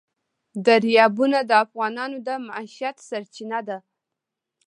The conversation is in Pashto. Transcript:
دریابونه د افغانانو د معیشت سرچینه ده.